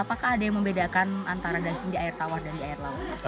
apakah ada yang membedakan antara diving di air tawar dan di air laut